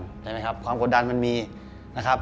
ใช่ไหมครับความกดดันมันมีนะครับ